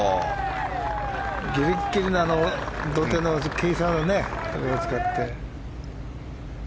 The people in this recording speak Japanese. ギリギリの土手の傾斜を使って。